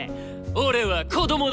俺は子供だ！